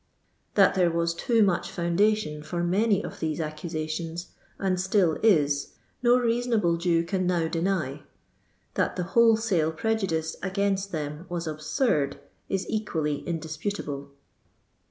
That there was too much foundation for many of these accusations, and still u, no rea sonable Jew can now deny ; that the wholesale prejudice igunst them vras absurd, is equally in disjputable.